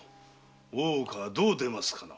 大岡はどう出ますかな？